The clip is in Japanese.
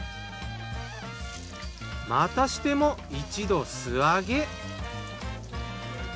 またしても一度素揚げ。